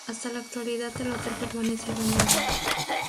Hasta la actualidad el hotel permanece abandonado.